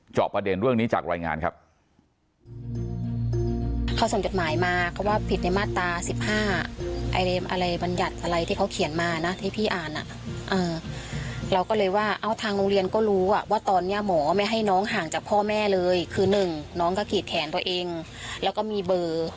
จอบประเด็นเรื่องนี้จากรายงานครับ